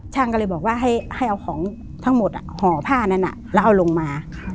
ช่างก็เลยบอกว่าให้เอาของทั้งหมดห่อผ้านั้นแล้วเอาลงมา